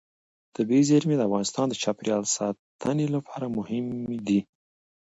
طبیعي زیرمې د افغانستان د چاپیریال ساتنې لپاره مهم دي.